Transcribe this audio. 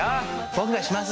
僕がします！